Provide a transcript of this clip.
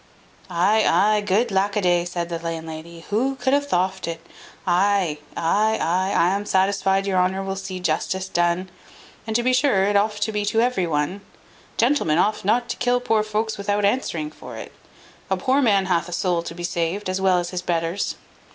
"Ay! ay! good lack a day!" said the landlady; "who could have thoft it? Ay, ay, ay, I am satisfied your honour will see justice done; and to be sure it oft to be to every one. Gentlemen oft not to kill poor folks without answering for it. A poor man hath a soul to be saved, as well as his betters."